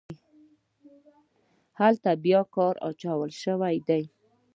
هلته بیا په کار اچول شوي دي.